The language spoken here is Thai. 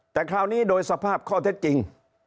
แต่คราวนี้โดยสภาพข้อเท็จจริง